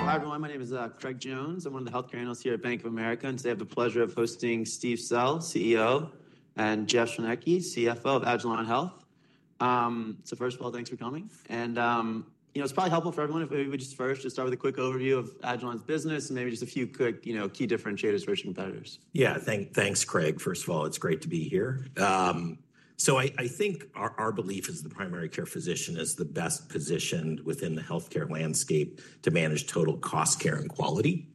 Hello, everyone. My name is Craig Jones. I'm one of the health care analysts here at Bank of America. Today I have the pleasure of hosting Steve Sell, CEO, and Jeff Schwaneke, CFO of Agilon Health. First of all, thanks for coming. It's probably helpful for everyone if we just first start with a quick overview of Agilon's business and maybe just a few quick key differentiators versus competitors. Yeah, thanks, Craig. First of all, it's great to be here. I think our belief is the primary care physician is the best positioned within the health care landscape to manage total cost, care, and quality.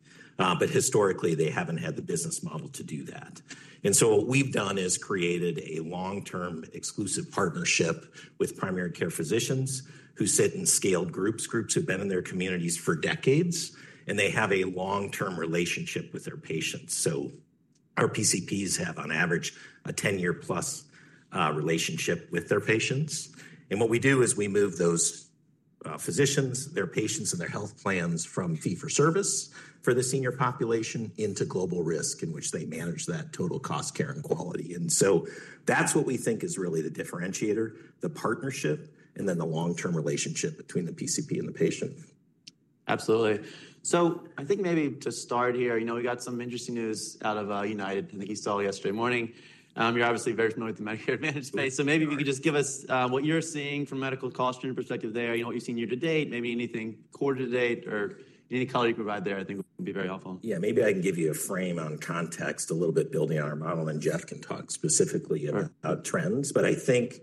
Historically, they haven't had the business model to do that. What we've done is created a long-term exclusive partnership with primary care physicians who sit in scaled groups, groups who've been in their communities for decades. They have a long-term relationship with their patients. Our PCPs have, on average, a 10-year-plus relationship with their patients. What we do is we move those physicians, their patients, and their health plans from fee-for-service for the senior population into global risk, in which they manage that total cost, care, and quality. That is what we think is really the differentiator, the partnership, and then the long-term relationship between the PCP and the patient. Absolutely. I think maybe to start here, we got some interesting news out of United. I think you saw it yesterday morning. You're obviously very familiar with the Medicare Advantage space. Maybe if you could just give us what you're seeing from a medical cost-stream perspective there, what you've seen year to date, maybe anything quarter to date, or any color you provide there, I think would be very helpful. Yeah, maybe I can give you a frame on context a little bit building on our model. Then Jeff can talk specifically about trends. I think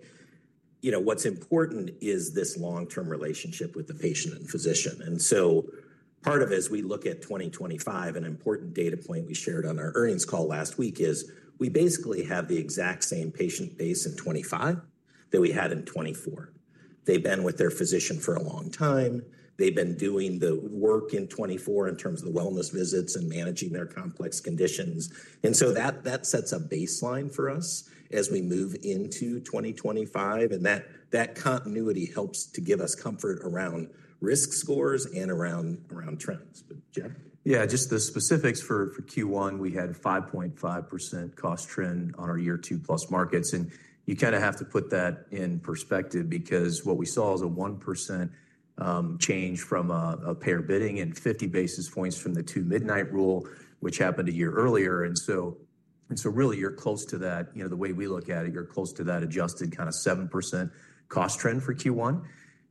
what's important is this long-term relationship with the patient and physician. Part of it, as we look at 2025, an important data point we shared on our earnings call last week is we basically have the exact same patient base in 2025 that we had in 2024. They've been with their physician for a long time. They've been doing the work in 2024 in terms of the wellness visits and managing their complex conditions. That sets a baseline for us as we move into 2025. That continuity helps to give us comfort around risk scores and around trends. Jeff? Yeah, just the specifics. For Q1, we had a 5.5% cost trend on our year-two-plus markets. You kind of have to put that in perspective because what we saw is a 1% change from a payer bidding and 50 basis points from the two-midnight rule, which happened a year earlier. You are close to that. The way we look at it, you are close to that adjusted kind of 7% cost trend for Q1.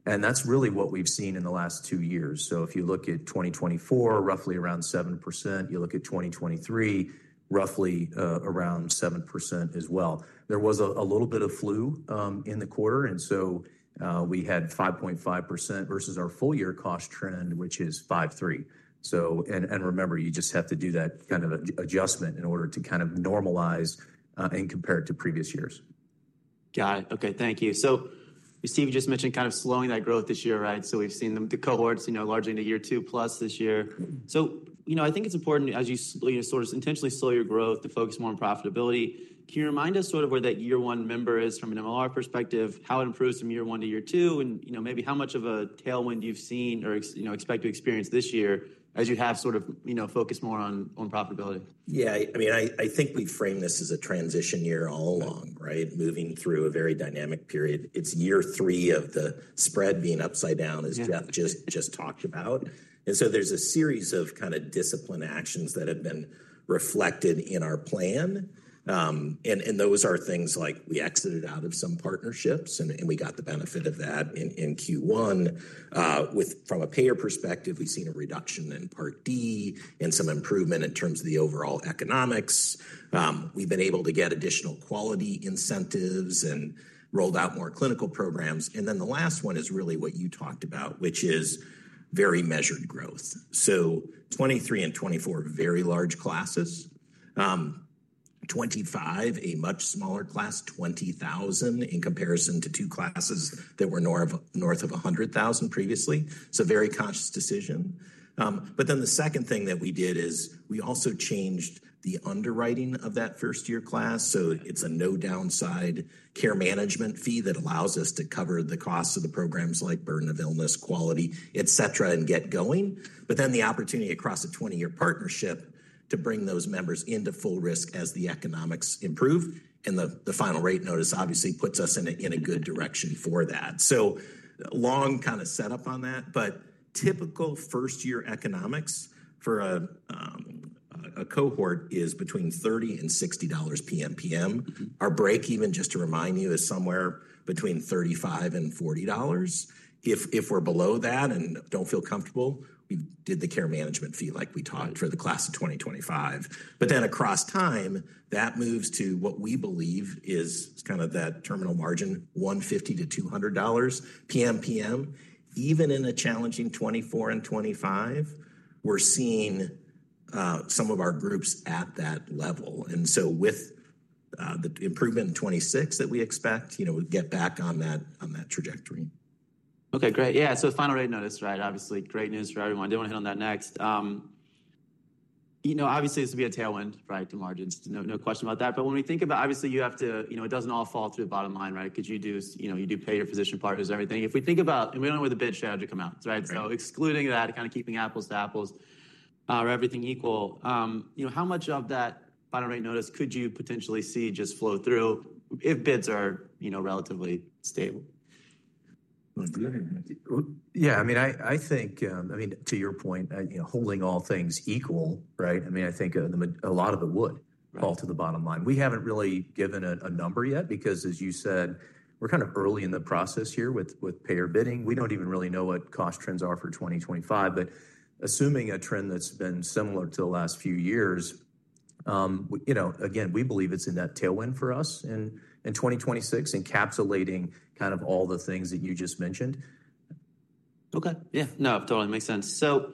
That is really what we have seen in the last two years. If you look at 2024, roughly around 7%. You look at 2023, roughly around 7% as well. There was a little bit of flu in the quarter. We had 5.5% versus our full-year cost trend, which is 5.3%. You just have to do that kind of adjustment in order to kind of normalize and compare it to previous years. Got it. OK, thank you. Steve, you just mentioned kind of slowing that growth this year, right? We have seen the cohorts largely into year-two-plus this year. I think it is important, as you sort of intentionally slow your growth to focus more on profitability. Can you remind us sort of where that year-one member is from an MLR perspective, how it improves from year one to year two, and maybe how much of a tailwind you have seen or expect to experience this year as you have sort of focused more on profitability? Yeah, I mean, I think we've framed this as a transition year all along, right, moving through a very dynamic period. It's year three of the spread being upside down, as Jeff just talked about. There is a series of kind of discipline actions that have been reflected in our plan. Those are things like we exited out of some partnerships, and we got the benefit of that in Q1. From a payer perspective, we've seen a reduction in Part D and some improvement in terms of the overall economics. We've been able to get additional quality incentives and rolled out more clinical programs. The last one is really what you talked about, which is very measured growth. 2023 and 2024, very large classes. 2025, a much smaller class, 20,000 in comparison to two classes that were north of 100,000 previously. Very conscious decision. The second thing that we did is we also changed the underwriting of that first-year class. It is a no-downside care management fee that allows us to cover the costs of the programs like burden of illness, quality, et cetera, and get going. The opportunity across a 20-year partnership is to bring those members into full risk as the economics improve. The final rate notice obviously puts us in a good direction for that. Long kind of setup on that. Typical first-year economics for a cohort is between $30 and $60 PMPM. Our break-even, just to remind you, is somewhere between $35 and $40. If we are below that and do not feel comfortable, we did the care management fee like we talked for the class of 2025. Then across time, that moves to what we believe is kind of that terminal margin, $150-$200 PMPM. Even in a challenging 2024 and 2025, we're seeing some of our groups at that level. With the improvement in 2026 that we expect, we get back on that trajectory. OK, great. Yeah, so final rate notice, right? Obviously, great news for everyone. I did want to hit on that next. Obviously, this will be a tailwind to margins. No question about that. When we think about, obviously, you have to—it doesn't all fall through the bottom line, right? Because you do pay your physician partners, everything. If we think about, and we don't know where the bid strategy comes out, right? Excluding that, kind of keeping apples to apples or everything equal, how much of that final rate notice could you potentially see just flow through if bids are relatively stable? Yeah, I mean, I think, I mean, to your point, holding all things equal, right? I mean, I think a lot of it would fall to the bottom line. We have not really given a number yet because, as you said, we are kind of early in the process here with payer bidding. We do not even really know what cost trends are for 2025. Assuming a trend that has been similar to the last few years, again, we believe it is in that tailwind for us in 2026, encapsulating kind of all the things that you just mentioned. OK, yeah, no, totally makes sense. All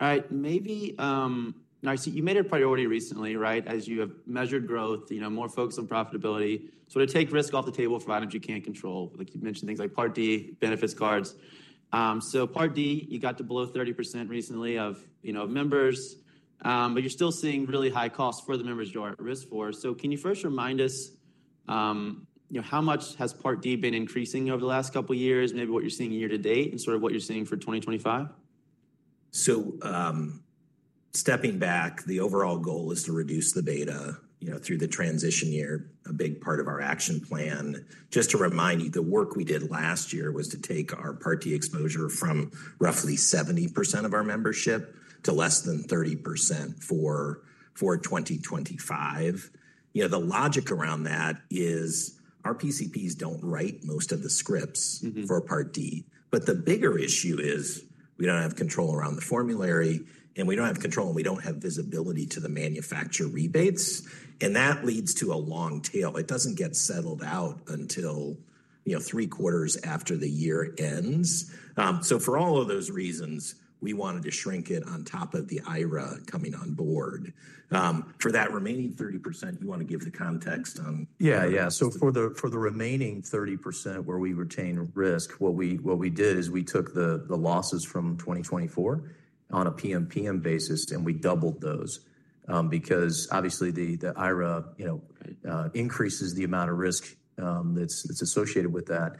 right, maybe now you see you made a priority recently, right, as you have measured growth, more focus on profitability. To take risk off the table for items you can't control, like you mentioned things like Part D, benefits cards. Part D, you got to below 30% recently of members. But you're still seeing really high costs for the members you are at risk for. Can you first remind us how much has Part D been increasing over the last couple of years, maybe what you're seeing year to date and sort of what you're seeing for 2025? Stepping back, the overall goal is to reduce the beta through the transition year, a big part of our action plan. Just to remind you, the work we did last year was to take our Part D exposure from roughly 70% of our membership to less than 30% for 2025. The logic around that is our PCPs do not write most of the scripts for Part D. The bigger issue is we do not have control around the formulary. We do not have control, and we do not have visibility to the manufacturer rebates. That leads to a long tail. It does not get settled out until three quarters after the year ends. For all of those reasons, we wanted to shrink it on top of the IRA coming on board. For that remaining 30%, you want to give the context on. Yeah, yeah. For the remaining 30% where we retain risk, what we did is we took the losses from 2024 on a PMPM basis, and we doubled those because obviously the IRA increases the amount of risk that's associated with that.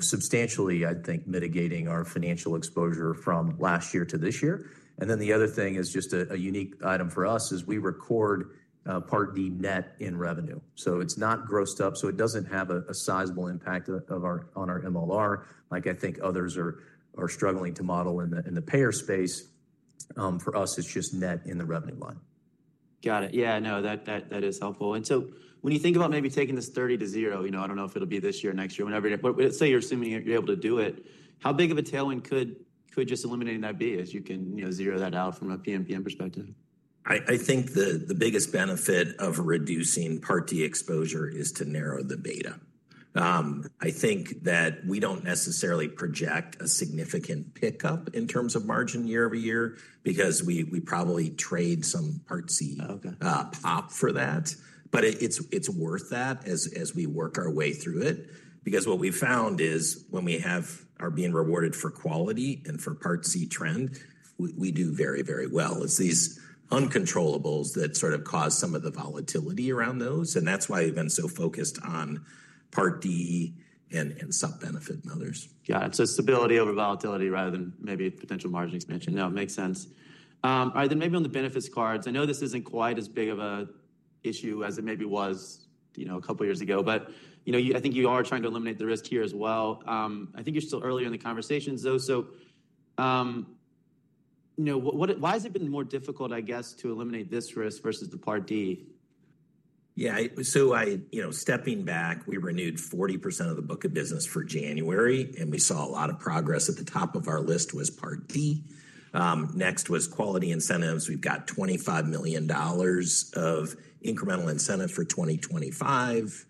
Substantially, I think, mitigating our financial exposure from last year to this year. The other thing is just a unique item for us is we record Part D net in revenue. It is not grossed up. It does not have a sizable impact on our MLR, like I think others are struggling to model in the payer space. For us, it is just net in the revenue line. Got it. Yeah, no, that is helpful. When you think about maybe taking this 30 to 0, I do not know if it will be this year, next year, whenever you are, say you are assuming you are able to do it, how big of a tailwind could just eliminating that be as you can zero that out from a PMPM perspective? I think the biggest benefit of reducing Part D exposure is to narrow the beta. I think that we do not necessarily project a significant pickup in terms of margin year over year because we probably trade some Part C pop for that. It is worth that as we work our way through it because what we have found is when we are being rewarded for quality and for Part C trend, we do very, very well. It is these uncontrollables that sort of cause some of the volatility around those. That is why we have been so focused on Part D and sub-benefit and others. Got it. Stability over volatility rather than maybe potential margin expansion. No, it makes sense. All right, maybe on the benefits cards, I know this is not quite as big of an issue as it maybe was a couple of years ago. I think you are trying to eliminate the risk here as well. I think you are still earlier in the conversation, though. Why has it been more difficult, I guess, to eliminate this risk versus the Part D? Yeah, so stepping back, we renewed 40% of the book of business for January. We saw a lot of progress. At the top of our list was Part D. Next was quality incentives. We've got $25 million of incremental incentive for 2025.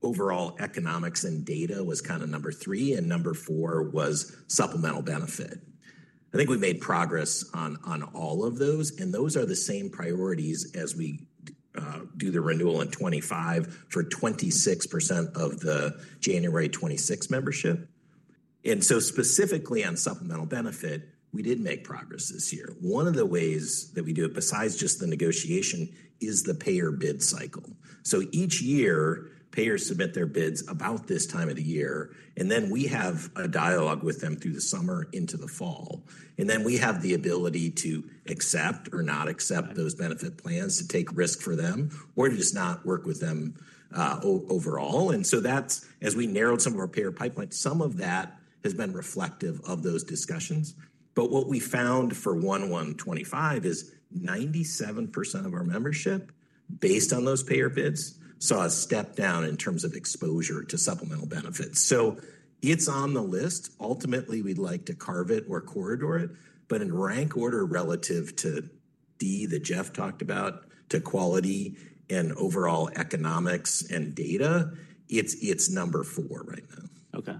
Overall economics and data was kind of number three. Number four was supplemental benefit. I think we made progress on all of those. Those are the same priorities as we do the renewal in 2025 for 26% of the January 2026 membership. Specifically on supplemental benefit, we did make progress this year. One of the ways that we do it, besides just the negotiation, is the payer bid cycle. Each year, payers submit their bids about this time of the year. We have a dialogue with them through the summer into the fall. We have the ability to accept or not accept those benefit plans, to take risk for them, or to just not work with them overall. That is, as we narrowed some of our payer pipeline, some of that has been reflective of those discussions. What we found for 1/1/2025 is 97% of our membership, based on those payer bids, saw a step down in terms of exposure to supplemental benefits. It is on the list. Ultimately, we would like to carve it or corridor it. In rank order relative to D that Jeff talked about, to quality and overall economics and data, it is number four right now. OK,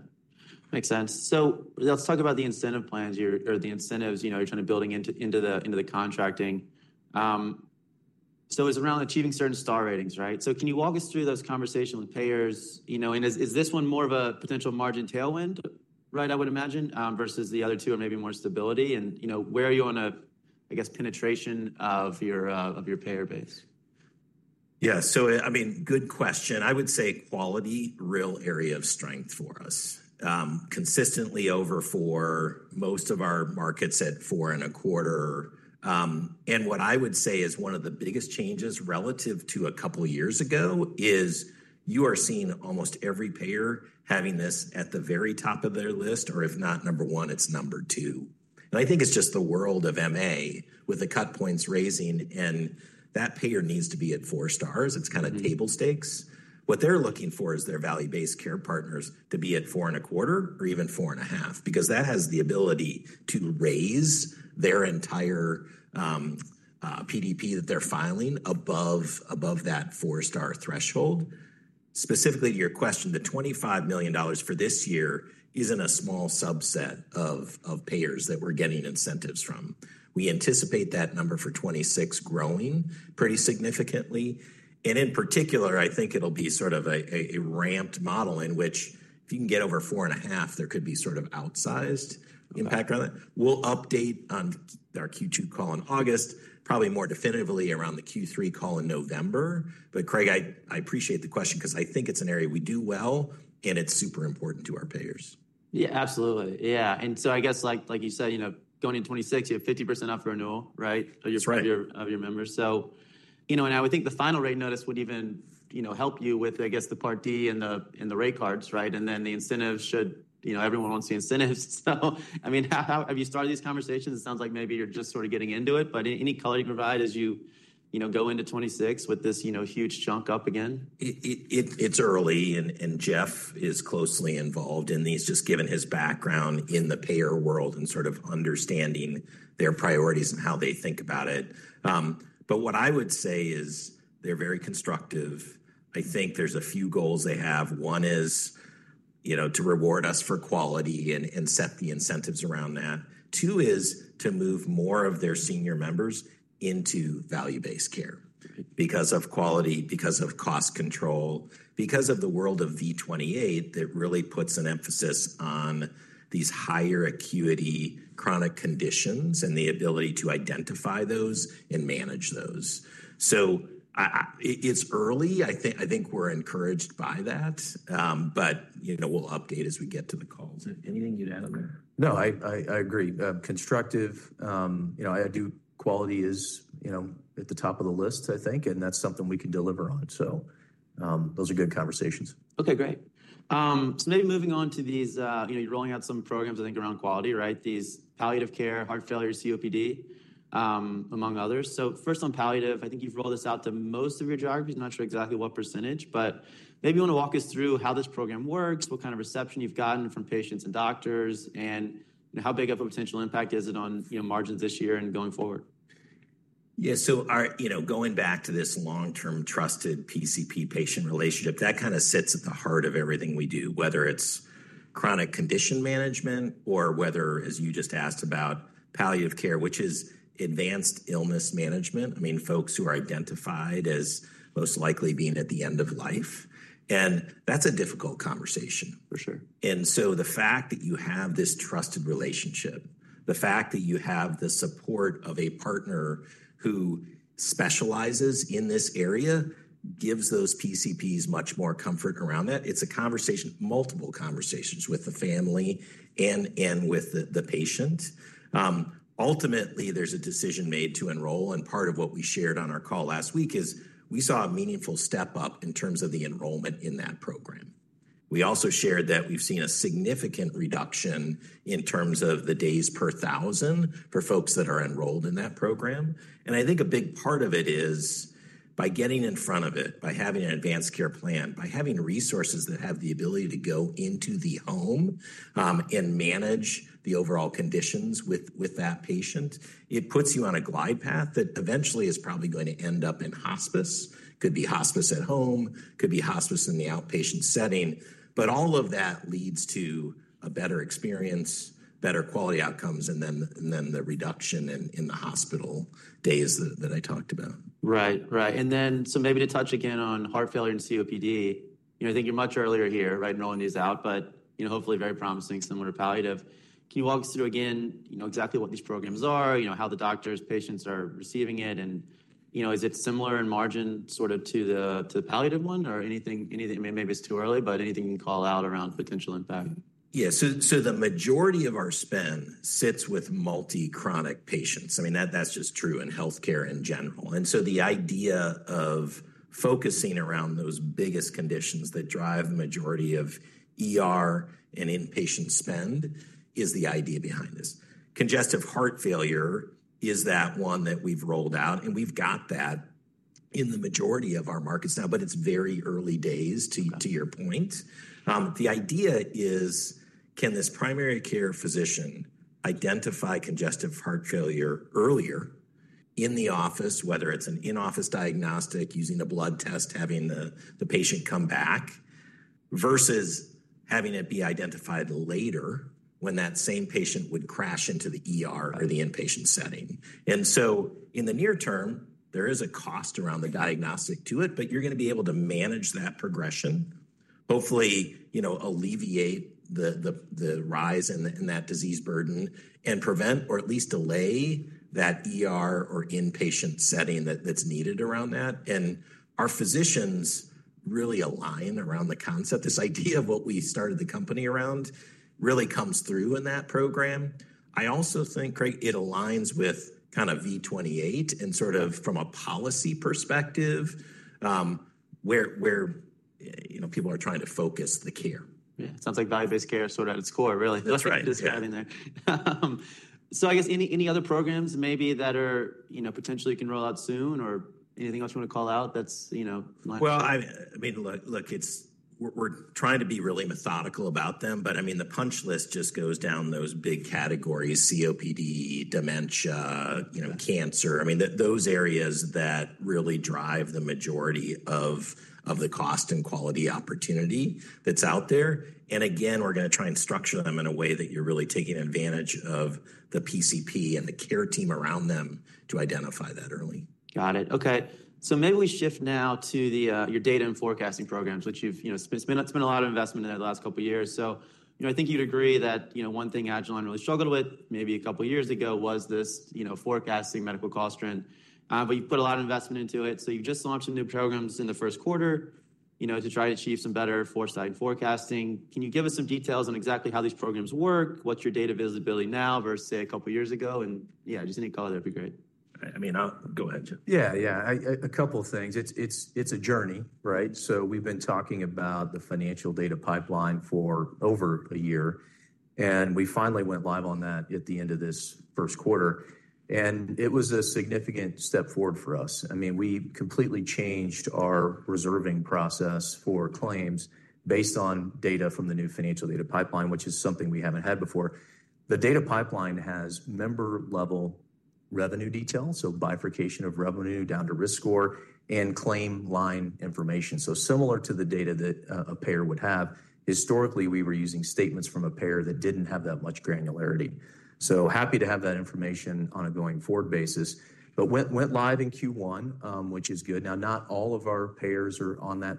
makes sense. Let's talk about the incentive plans or the incentives you're trying to build into the contracting. It's around achieving certain star ratings, right? Can you walk us through those conversations with payers? Is this one more of a potential margin tailwind, I would imagine, versus the other two are maybe more stability? Where are you on, I guess, penetration of your payer base? Yeah, so I mean, good question. I would say quality is a real area of strength for us. Consistently over for most of our markets at four and a quarter. What I would say is one of the biggest changes relative to a couple of years ago is you are seeing almost every payer having this at the very top of their list. Or if not number one, it's number two. I think it's just the world of MA with the cut points raising. That payer needs to be at four stars. It's kind of table stakes. What they're looking for is their value-based care partners to be at four and a quarter or even four and a half because that has the ability to raise their entire PDP that they're filing above that four-star threshold. Specifically to your question, the $25 million for this year is in a small subset of payers that we're getting incentives from. We anticipate that number for 2026 growing pretty significantly. In particular, I think it'll be sort of a ramped model in which if you can get over four and a half, there could be sort of outsized impact on that. We'll update on our Q2 call in August, probably more definitively around the Q3 call in November. Craig, I appreciate the question because I think it's an area we do well. It is super important to our payers. Yeah, absolutely. Yeah. I guess, like you said, going into 2026, you have 50% up renewal, right, of your members. I would think the final rate notice would even help you with, I guess, the Part D and the rate cards, right? The incentives, everyone wants the incentives. I mean, have you started these conversations? It sounds like maybe you're just sort of getting into it. Any color you provide as you go into 2026 with this huge chunk up again? It's early. Jeff is closely involved in these, just given his background in the payer world and sort of understanding their priorities and how they think about it. What I would say is they're very constructive. I think there's a few goals they have. One is to reward us for quality and set the incentives around that. Two is to move more of their senior members into value-based care because of quality, because of cost control, because of the world of V28 that really puts an emphasis on these higher acuity chronic conditions and the ability to identify those and manage those. It's early. I think we're encouraged by that. We'll update as we get to the calls. Anything you'd add on there? No, I agree. Constructive. I do, quality is at the top of the list, I think. And that's something we can deliver on. So those are good conversations. OK, great. Maybe moving on to these, you're rolling out some programs, I think, around quality, right? These palliative care, heart failure, COPD, among others. First on palliative, I think you've rolled this out to most of your geographies. I'm not sure exactly what percentage. Maybe you want to walk us through how this program works, what kind of reception you've gotten from patients and doctors, and how big of a potential impact is it on margins this year and going forward? Yeah, so going back to this long-term trusted PCP patient relationship, that kind of sits at the heart of everything we do, whether it's chronic condition management or whether, as you just asked about, palliative care, which is advanced illness management. I mean, folks who are identified as most likely being at the end of life. That is a difficult conversation, for sure. The fact that you have this trusted relationship, the fact that you have the support of a partner who specializes in this area gives those PCPs much more comfort around that. It's a conversation, multiple conversations with the family and with the patient. Ultimately, there's a decision made to enroll. Part of what we shared on our call last week is we saw a meaningful step up in terms of the enrollment in that program. We also shared that we've seen a significant reduction in terms of the days per thousand for folks that are enrolled in that program. I think a big part of it is by getting in front of it, by having an advanced care plan, by having resources that have the ability to go into the home and manage the overall conditions with that patient, it puts you on a glide path that eventually is probably going to end up in hospice. It could be hospice at home. It could be hospice in the outpatient setting. All of that leads to a better experience, better quality outcomes, and then the reduction in the hospital days that I talked about. Right, right. Maybe to touch again on heart failure and COPD, I think you're much earlier here, right? Enrolling these out, but hopefully very promising, similar to palliative. Can you walk us through again exactly what these programs are, how the doctors, patients are receiving it? Is it similar in margin sort of to the palliative one? Maybe it's too early, but anything you can call out around potential impact? Yeah, so the majority of our spend sits with multi-chronic patients. I mean, that's just true in health care in general. The idea of focusing around those biggest conditions that drive the majority of and inpatient spend is the idea behind this. Congestive heart failure is that one that we've rolled out. We've got that in the majority of our markets now. It's very early days, to your point. The idea is, can this primary care physician identify congestive heart failure earlier in the office, whether it's an in-office diagnostic using a blood test, having the patient come back, versus having it be identified later when that same patient would crash into the or the inpatient setting? In the near term, there is a cost around the diagnostic to it. You're going to be able to manage that progression, hopefully alleviate the rise in that disease burden, and prevent or at least delay that or inpatient setting that's needed around that. Our physicians really align around the concept. This idea of what we started the company around really comes through in that program. I also think, Craig, it aligns with kind of V28 and sort of from a policy perspective where people are trying to focus the care. Yeah, it sounds like value-based care is sort of at its core, really. That's right. That's what you're describing there. I guess any other programs maybe that are potentially you can roll out soon or anything else you want to call out? I mean, look, we're trying to be really methodical about them. I mean, the punch list just goes down those big categories: COPD, dementia, cancer. I mean, those areas that really drive the majority of the cost and quality opportunity that's out there. Again, we're going to try and structure them in a way that you're really taking advantage of the PCP and the care team around them to identify that early. Got it. OK, maybe we shift now to your data and forecasting programs, which you've spent a lot of investment in the last couple of years. I think you'd agree that one thing agilon health really struggled with maybe a couple of years ago was this forecasting medical cost trend. You put a lot of investment into it. You just launched some new programs in the first quarter to try to achieve some better foresight and forecasting. Can you give us some details on exactly how these programs work? What's your data visibility now versus, say, a couple of years ago? Yeah, just any color, that would be great. I mean, go ahead, Jim. Yeah, yeah, a couple of things. It's a journey, right? So we've been talking about the financial data pipeline for over a year. We finally went live on that at the end of this first quarter. It was a significant step forward for us. I mean, we completely changed our reserving process for claims based on data from the new financial data pipeline, which is something we have not had before. The data pipeline has member-level revenue details, so bifurcation of revenue down to risk score and claim line information. Similar to the data that a payer would have, historically, we were using statements from a payer that did not have that much granularity. Happy to have that information on a going-forward basis. Went live in Q1, which is good. Now, not all of our payers are on that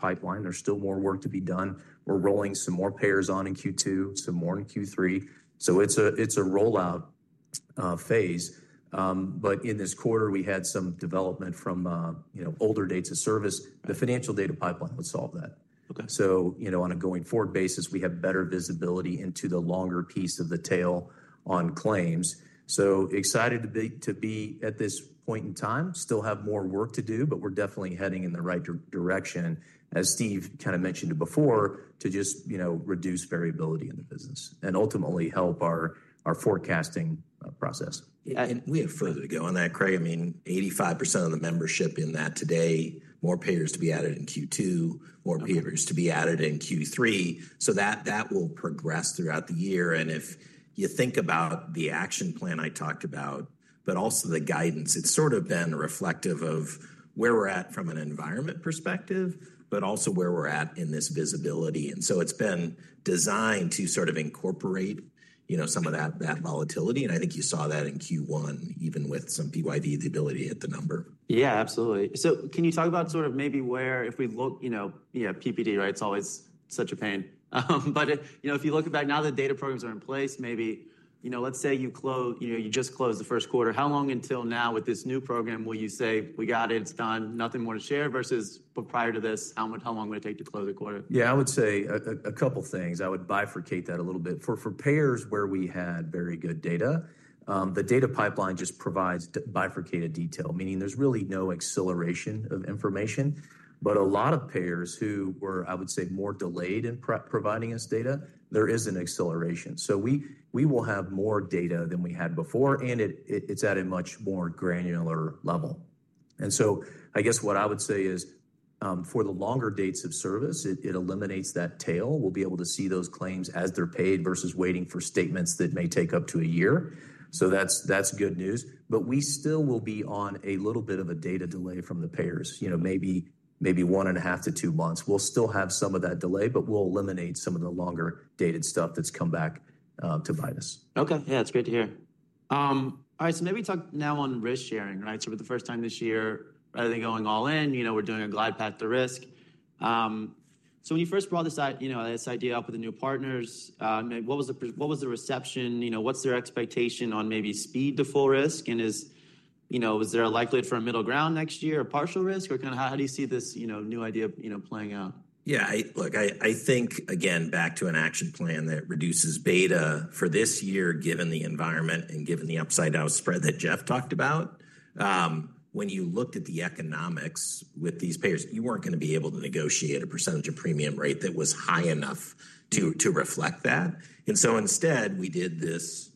pipeline. There's still more work to be done. We're rolling some more payers on in Q2, some more in Q3. It's a rollout phase. In this quarter, we had some development from older dates of service. The financial data pipeline would solve that. On a going-forward basis, we have better visibility into the longer piece of the tail on claims. Excited to be at this point in time. Still have more work to do. We're definitely heading in the right direction, as Steve kind of mentioned before, to just reduce variability in the business and ultimately help our forecasting process. Yeah. We have further to go on that, Craig. I mean, 85% of the membership in that today, more payers to be added in Q2, more payers to be added in Q3. That will progress throughout the year. If you think about the action plan I talked about, but also the guidance, it's sort of been reflective of where we're at from an environment perspective, but also where we're at in this visibility. It's been designed to sort of incorporate some of that volatility. I think you saw that in Q1, even with some BYV visibility at the number. Yeah, absolutely. Can you talk about sort of maybe where, if we look, PPD, right? It's always such a pain. If you look back, now that data programs are in place, maybe let's say you just closed the first quarter. How long until now with this new program will you say, we got it, it's done, nothing more to share versus prior to this, how long would it take to close the quarter? Yeah, I would say a couple of things. I would bifurcate that a little bit. For payers where we had very good data, the data pipeline just provides bifurcated detail, meaning there's really no acceleration of information. A lot of payers who were, I would say, more delayed in providing us data, there is an acceleration. We will have more data than we had before. And it's at a much more granular level. I guess what I would say is for the longer dates of service, it eliminates that tail. We'll be able to see those claims as they're paid versus waiting for statements that may take up to a year. That is good news. We still will be on a little bit of a data delay from the payers, maybe one and a half to two months. We'll still have some of that delay. We will eliminate some of the longer dated stuff that's come back to bite us. OK, yeah, that's great to hear. All right, maybe talk now on risk sharing, right? For the first time this year, rather than going all in, we're doing a glide path to risk. When you first brought this idea up with the new partners, what was the reception? What's their expectation on maybe speed to full risk? Is there a likelihood for a middle ground next year or partial risk? How do you see this new idea playing out? Yeah, look, I think, again, back to an action plan that reduces beta for this year, given the environment and given the upside-out spread that Jeff talked about. When you looked at the economics with these payers, you were not going to be able to negotiate a % of premium rate that was high enough to reflect that. Instead, we did this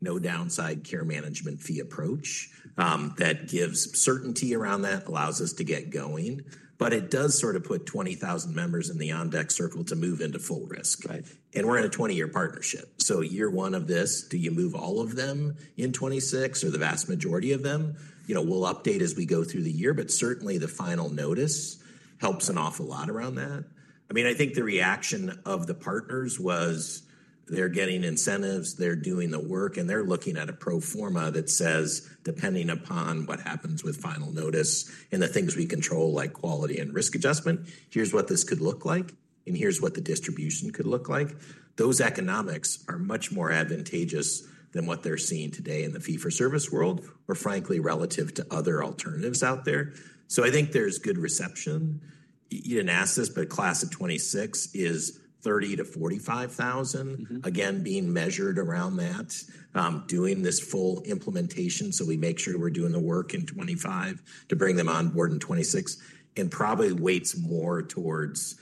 no-downside care management fee approach that gives certainty around that, allows us to get going. It does sort of put 20,000 members in the OnDeck circle to move into full risk. We are in a 20-year partnership. Year one of this, do you move all of them in 2026 or the vast majority of them? We will update as we go through the year. Certainly, the final notice helps an awful lot around that. I mean, I think the reaction of the partners was they're getting incentives. They're doing the work. They're looking at a pro forma that says, depending upon what happens with final notice and the things we control, like quality and risk adjustment, here's what this could look like. Here's what the distribution could look like. Those economics are much more advantageous than what they're seeing today in the fee-for-service world or frankly, relative to other alternatives out there. I think there's good reception. You didn't ask this, but class of 2026 is 30,000-45,000, again, being measured around that, doing this full implementation so we make sure we're doing the work in 2025 to bring them on board in 2026. It probably weights more towards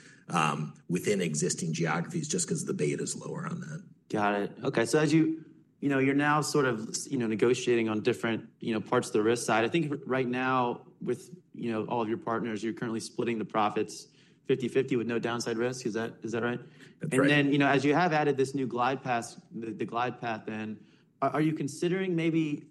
within existing geographies just because the beta is lower on that. Got it. OK, so as you're now sort of negotiating on different parts of the risk side, I think right now with all of your partners, you're currently splitting the profits 50/50 with no downside risk. Is that right? That's right. As you have added this new glide path, the glide path, are you considering maybe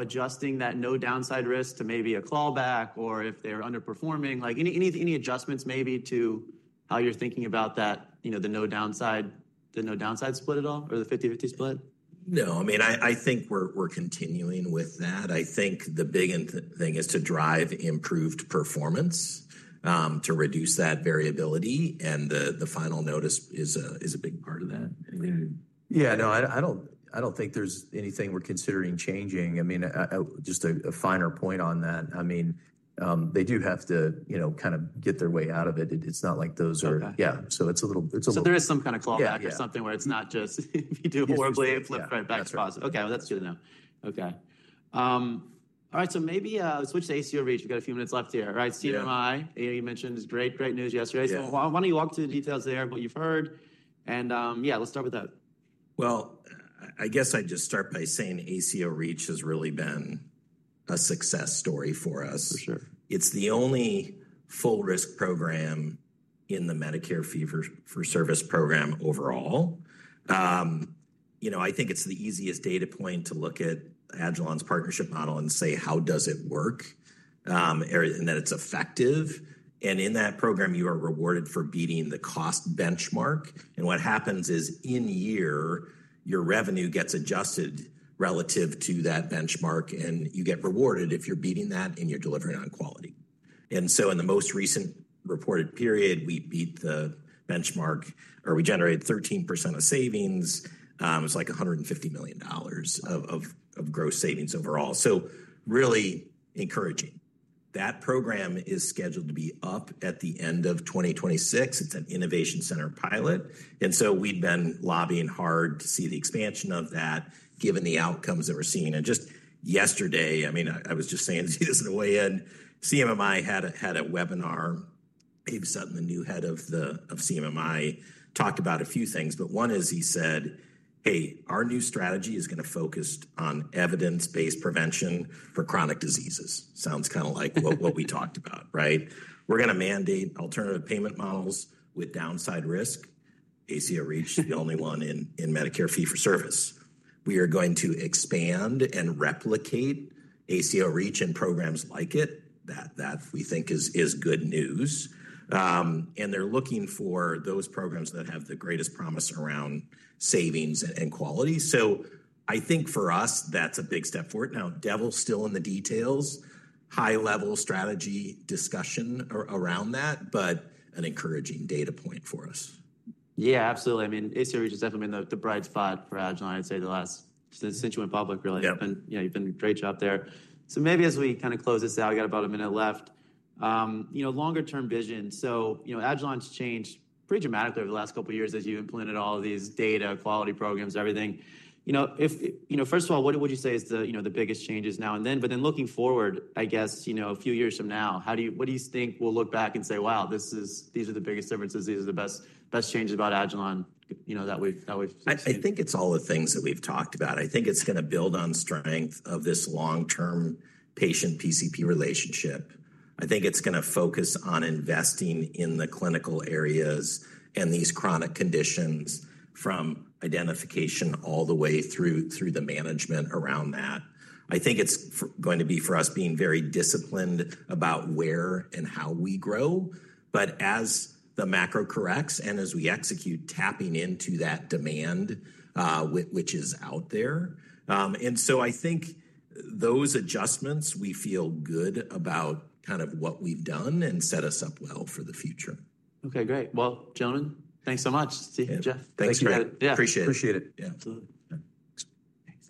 adjusting that no downside risk to maybe a clawback or if they're underperforming? Any adjustments maybe to how you're thinking about the no downside split at all or the 50/50 split? No. I mean, I think we're continuing with that. I think the big thing is to drive improved performance to reduce that variability. The final notice is a big part of that. Yeah, no, I don't think there's anything we're considering changing. I mean, just a finer point on that. I mean, they do have to kind of get their way out of it. It's not like those are. OK. Yeah, so it's a little. There is some kind of clawback or something where it's not just if you do a horribly flip, right back to positive. That's right. OK, that's good to know. OK. All right, so maybe switch to ACO REACH. We've got a few minutes left here. All right, Steve and I, you mentioned is great, great news yesterday. Why don't you walk through the details there of what you've heard? Yeah, let's start with that. I guess I'd just start by saying ACO REACH has really been a success story for us. For sure. It's the only full risk program in the Medicare Fee-for-Service program overall. I think it's the easiest data point to look at agilon health's partnership model and say, how does it work? That it's effective. In that program, you are rewarded for beating the cost benchmark. What happens is in year, your revenue gets adjusted relative to that benchmark. You get rewarded if you're beating that and you're delivering on quality. In the most recent reported period, we beat the benchmark or we generated 13% of savings. It was like $150 million of gross savings overall. Really encouraging. That program is scheduled to be up at the end of 2026. It's an innovation center pilot. We've been lobbying hard to see the expansion of that, given the outcomes that we're seeing. Just yesterday, I mean, I was just saying this in a way. CMMI had a webinar. He was sitting, the new head of CMMI, talked about a few things. One is he said, hey, our new strategy is going to focus on evidence-based prevention for chronic diseases. Sounds kind of like what we talked about, right? We're going to mandate alternative payment models with downside risk. ACO REACH is the only one in Medicare Fee-for-Service. We are going to expand and replicate ACO REACH and programs like it. That we think is good news. They are looking for those programs that have the greatest promise around savings and quality. I think for us, that's a big step forward. Now, devil's still in the details, high-level strategy discussion around that. An encouraging data point for us. Yeah, absolutely. I mean, ACO REACH has definitely been the bright spot for agilon health, I'd say, the last since you went public, really. Yeah. You've done a great job there. Maybe as we kind of close this out, we've got about a minute left. Longer-term vision. Agilon's changed pretty dramatically over the last couple of years as you implemented all of these data, quality programs, everything. First of all, what would you say is the biggest changes now and then? Looking forward, I guess, a few years from now, what do you think we'll look back and say, wow, these are the biggest differences. These are the best changes about Agilon that we've seen? I think it's all the things that we've talked about. I think it's going to build on strength of this long-term patient-PCP relationship. I think it's going to focus on investing in the clinical areas and these chronic conditions from identification all the way through the management around that. I think it's going to be for us being very disciplined about where and how we grow. As the macro corrects and as we execute tapping into that demand, which is out there. I think those adjustments, we feel good about kind of what we've done and set us up well for the future. OK, great. Gentlemen, thanks so much. See you, Jeff. Thanks for having me. Yeah, appreciate it. Yeah, absolutely. Thanks.